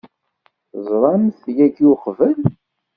Teẓram-t yagi uqbel?